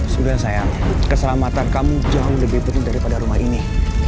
sebenarnya sayang keselamatan kamu jauh lebih penting daripada rumah ini